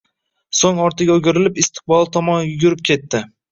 So`ng ortiga o`girilib, istiqboli tomon yugurib ketdi